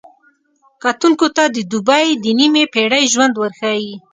کتونکو ته د دوبۍ د نیمې پېړۍ ژوند ورښيي.